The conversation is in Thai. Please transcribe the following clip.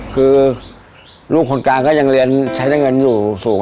คือลูกคนกลางก็ยังเรียนใช้ได้เงินอยู่สูง